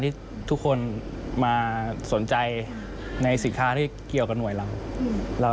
มันเป็นปรากฏการณ์ที่ทุกคนมาสนใจในสินค้าที่เกี่ยวกับหน่วยเรา